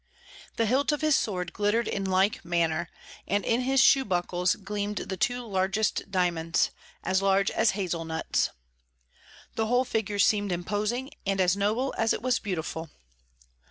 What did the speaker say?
The hilt of his sword glittered in like manner, and in his shoe buckles gleamed the two largest diamonds, as large as hazel nuts. The whole figure seemed imposing, and as noble as it was beautiful.